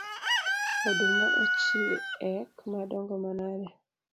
Oduma ochiek madongo manade